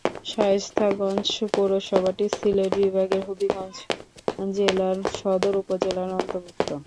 শায়েস্তাগঞ্জ পৌরসভাটি সিলেট বিভাগের হবিগঞ্জ জেলার সদর উপজেলার অন্তর্ভুক্ত।